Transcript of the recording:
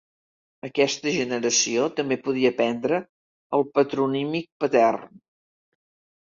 Aquesta generació també podia prendre el patronímic patern.